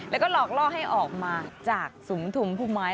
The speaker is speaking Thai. แล้วก็หลอกล่อให้ออกมาจากสุมทุมผู้ไม้